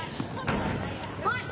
はい。